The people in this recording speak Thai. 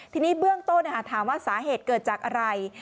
ทีนี้เบื้องต้นถามว่าสาเหตุเกิดจากอะไร